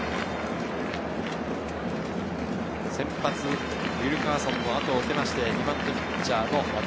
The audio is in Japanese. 先発ウィルカーソンの後を受けて、２番手ピッチャーの渡邉。